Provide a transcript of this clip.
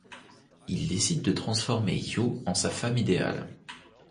Il décide de transformer Yu en sa femme idéale.